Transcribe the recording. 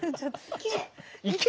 いけ。